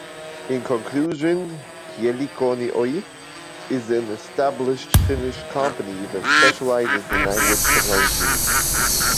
In conclusion, Kielikone Oy is an established Finnish company that specializes in language technology.